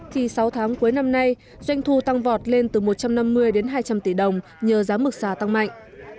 thì sáu tháng cuối năm nay doanh thu tăng vọt lên từ một trăm năm mươi đến hai trăm linh tỷ đồng nhờ giá mực xà tăng mạnh